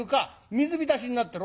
水浸しになってる。